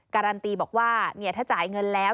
การันตีบอกว่าถ้าจ่ายเงินแล้ว